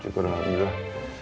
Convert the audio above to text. terima kasih alhamdulillah